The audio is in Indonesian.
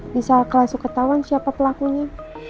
bisa kelas ketahuan siapa pelakunya